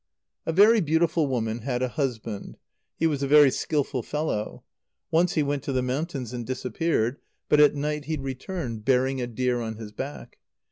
_ A very beautiful woman had a husband. He was a very skilful fellow. Once he went to the mountains, and disappeared. But at night he returned, bearing a deer on his back.